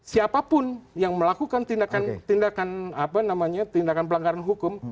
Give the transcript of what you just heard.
siapapun yang melakukan tindakan tindakan pelanggaran hukum